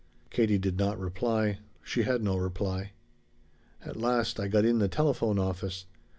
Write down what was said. Katie did not reply. She had no reply. "At last I got in the telephone office.